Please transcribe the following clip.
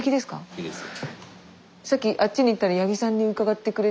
いいですか？